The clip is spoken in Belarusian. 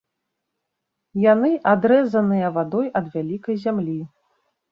Яны адрэзаныя вадой ад вялікай зямлі.